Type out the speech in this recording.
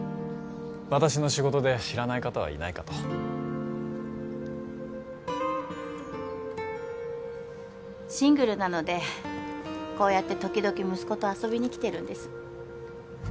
私の仕事で知らない方はいないかとシングルなのでこうやって時々息子と遊びに来てるんです